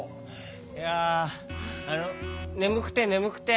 いやあのねむくてねむくて。